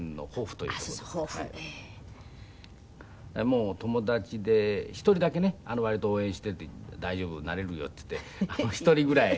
もう友達で１人だけね割と応援していて「大丈夫なれるよ」って言って１人ぐらい。